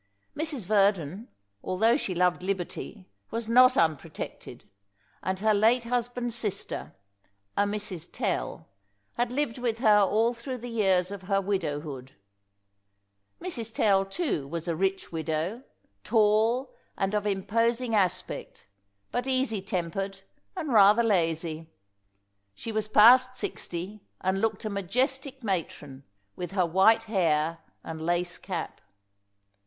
Mrs. Verdon, although she loved liberty, was not unprotected, and her late husband's sister a Mrs. Tell had lived with her all through the years of her widowhood. Mrs. Tell, too, was a rich widow, tall, and of imposing aspect, but easy tempered and rather lazy. She was past sixty, and looked a majestic matron, with her white hair and lace cap.